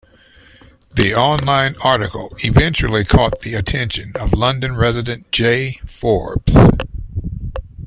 The online article eventually caught the attention of London resident Jay Forbes.